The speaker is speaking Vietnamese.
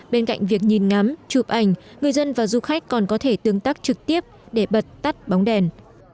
bên cạnh việc nhìn ngắm chụp ảnh người dân và du khách còn có thể tương tác trực tiếp để bật tắt bóng đèn